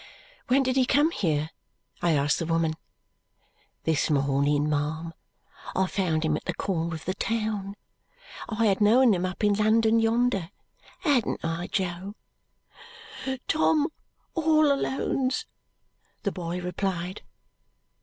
"When did he come here?" I asked the woman. "This morning, ma'am, I found him at the corner of the town. I had known him up in London yonder. Hadn't I, Jo?" "Tom all Alone's," the boy replied.